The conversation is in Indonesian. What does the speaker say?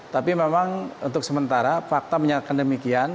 tapi memang untuk sementara fakta menyatakan demikian